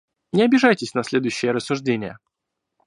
Не обижайтесь на следующее рассуждение.